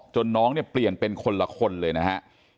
น้องเนี่ยเปลี่ยนเป็นคนละคนเลยนะฮะ